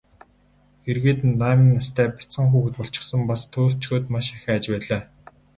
Эргээд найман настай бяцхан хүүхэд болчихсон, бас төөрчхөөд маш их айж байлаа.